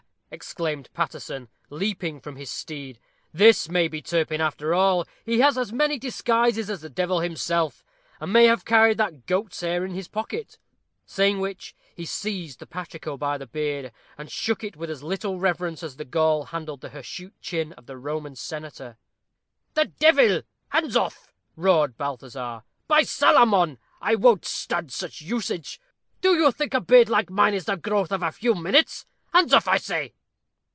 exclaimed Paterson, leaping from his steed, "this may be Turpin after all. He has as many disguises as the devil himself, and may have carried that goat's hair in his pocket." Saying which, he seized the patrico by the beard, and shook it with as little reverence as the Gaul handled the hirsute chin of the Roman senator. "The devil! hands off," roared Balthazar. "By Salamon, I won't stand such usage. Do you think a beard like mine is the growth of a few minutes? Hands off! I say."